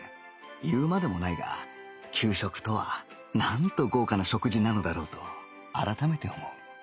言うまでもないが給食とはなんと豪華な食事なのだろうと改めて思う